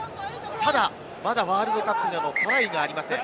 ただワールドカップでのトライがありません。